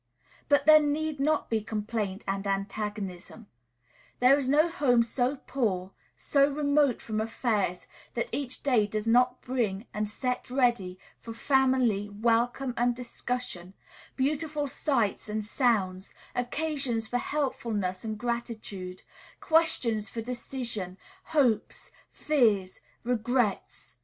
But there need not be complaint and antagonism; there is no home so poor, so remote from affairs, that each day does not bring and set ready, for family welcome and discussion, beautiful sights and sounds, occasions for helpfulness and gratitude, questions for decision, hopes, fears, regrets!